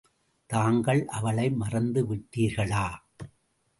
தாங்கள் அவளை மறந்து விட்டீர்களா?